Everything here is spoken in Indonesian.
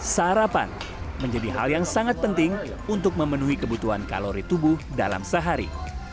sarapan menjadi hal yang sangat penting untuk memenuhi kebutuhan kalori tubuh dalam sehari